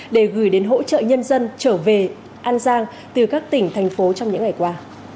để gửi đến hỗ trợ nhân dân trở về an giang từ các tỉnh thành phố trong những ngày qua